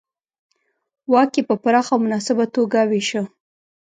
واک یې په پراخه او مناسبه توګه وېشه.